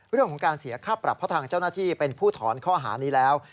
เรื่องของการเสียค่าปรับเพราะทางเจ้าหน้าที่เป็นผู้ถอนข้อหานี้แล้ว